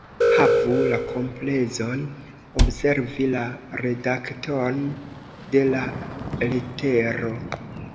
Havu la komplezon observi la redakton de la letero.